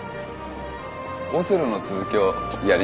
オセロの続きをやりに来ました。